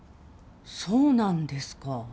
そうなんですか。